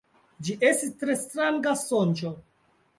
Ĝi estis tre stranga sonĝo.